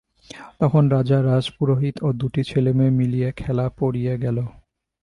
তখন রাজা রাজপুরোহিত ও দুটি ছেলেমেয়ে মিলিয়া খেলা পড়িয়া গেল।